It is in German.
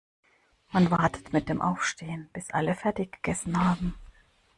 Man wartet mit dem Aufstehen, bis alle fertig gegessen haben.